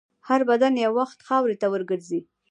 هر بدن یو وخت خاورو ته ورګرځي.